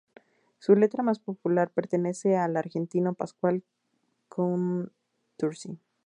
Su letra más popular pertenece al argentino Pascual Contursi.